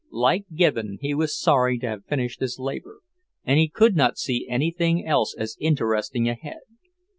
Like Gibbon, he was sorry to have finished his labour, and he could not see anything else as interesting ahead.